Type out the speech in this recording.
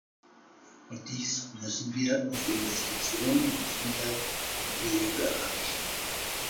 Und dies müssen wir mit Investitionen in Gesundheit und Bildung erreichen.